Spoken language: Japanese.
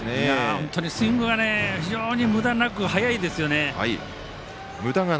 本当にスイングが非常に、むだなく速いですよね。